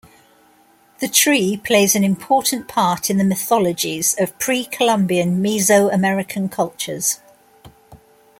The tree plays an important part in the mythologies of pre-Columbian Mesoamerican cultures.